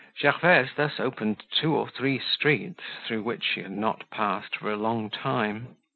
Gervaise thus opened two or three streets through which she had not passed for a long time.